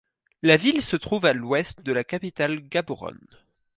La ville se trouve à l'ouest de la capitale Gaborone.